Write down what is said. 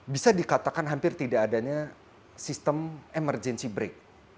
bisa dikatakan hampir tidak adanya sistem emergency break